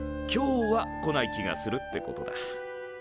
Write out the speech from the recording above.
「今日は」来ない気がするってことだ。